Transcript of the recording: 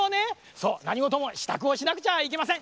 そうなにごともしたくをしなくちゃあいけません。